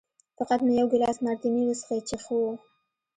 فقط مې یو ګیلاس مارتیني وڅښی چې ښه و.